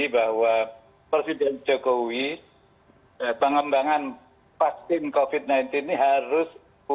bahwa presiden jokowi pengembangan vaksin covid sembilan belas ini harus